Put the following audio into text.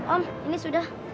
om ini sudah